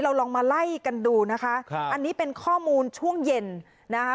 ลองมาไล่กันดูนะคะครับอันนี้เป็นข้อมูลช่วงเย็นนะคะ